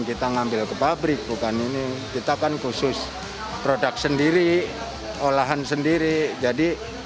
kita ngambil ke pabrik bukan ini kita kan khusus produk sendiri olahan sendiri jadi